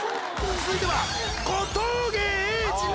続いては。